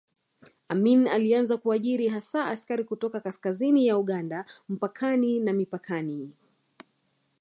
Amin alianza kuajiri hasa askari kutoka kaskazini ya Uganda mpakani na mipakani